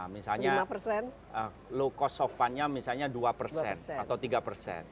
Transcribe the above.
misalnya low cost of fund nya misalnya dua persen atau tiga persen